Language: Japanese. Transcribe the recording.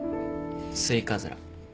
スイカズラ。